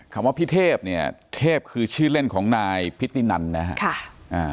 คำว่าพิเทพเนี่ยเทพคือชื่อเล่นของนายพิธีนันนะฮะค่ะอ่า